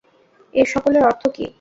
এ সকলের অর্থ কী?